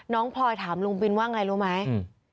พลอยถามลุงบินว่าไงรู้ไหม